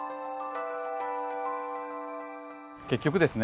結局ですね